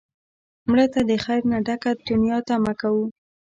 مړه ته د خیر نه ډکه دنیا تمه کوو